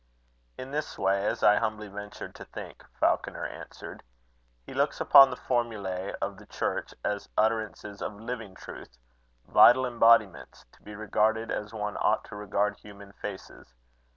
"In this way, as I humbly venture to think," Falconer answered. "He looks upon the formulae of the church as utterances of living truth vital embodiments to be regarded as one ought to regard human faces.